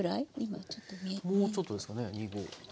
もうちょっとですかね２合。